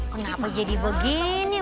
kenapa jadi begini